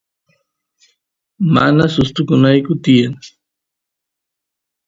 mana sustukunayku tiyan